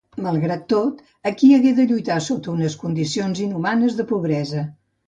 Malgrat tot, aquí hagué de lluitar sota unes condicions inhumanes de pobresa.